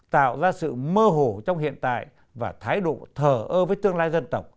tạo ra sự mơ hồ trong hiện tại và thái độ thở ơ với tương lai dân tộc